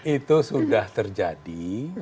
itu sudah terjadi